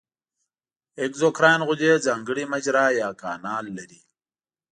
اګزوکراین غدې ځانګړې مجرا یا کانال لري.